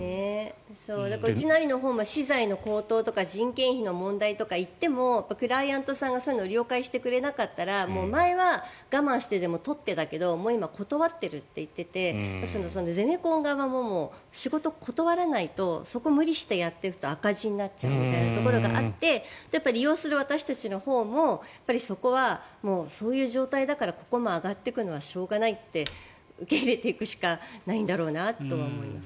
うちの兄も資材の高騰とか人件費の問題とかいってもクライアントさんがそういうのを了解してくれなかったら前は我慢してでも取ってたけど今、断っているといっていてゼネコン側も仕事を断らないとそこを無理してやっていくと赤字になっちゃうみたいなところがあって利用する私たちのほうもそこはそういう状態だからここも上がっていくのはしょうがないって受け入れていくしかないんだろうなとは思います。